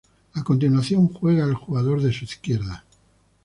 A continuación juega el jugador de su izquierda.